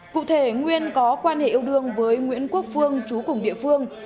cụ thể nguyên có quan hệ yêu đương với nguyễn quốc phương chú cùng địa phương